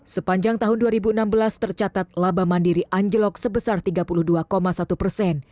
sepanjang tahun dua ribu enam belas tercatat laba mandiri anjlok sebesar tiga puluh dua satu persen